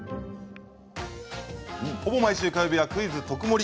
ほぼ毎週火曜日は「クイズとくもり」。